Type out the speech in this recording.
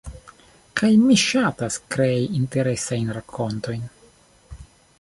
kaj mi ŝatas krei interesajn rakontojn